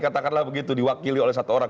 katakanlah begitu diwakili oleh satu orang